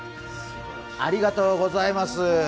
ありがとうございます。